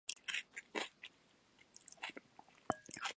他の遊びは知らなかった、僕らが知っていたのは穴掘りだけだった